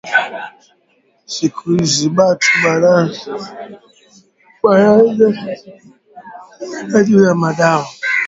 Siku izi batu bananza wina juya madawa